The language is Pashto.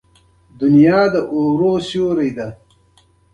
ګلاب د شاعرانو ملګری دی.